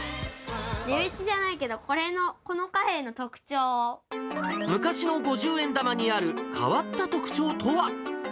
値打ちじゃないけど、これの、昔の五十円玉にある変わった特徴とは。